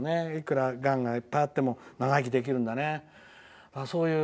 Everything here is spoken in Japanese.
がんがいっぱいあっても長生きできるんだね。